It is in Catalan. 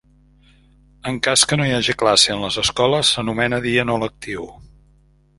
En cas que no hi hagi classe en les escoles s'anomena dia no lectiu.